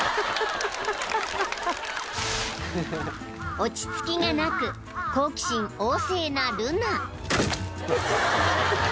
［落ち着きがなく好奇心旺盛なルナ］